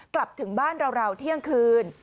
กลับถึงบ้านเราเที่ยงคืน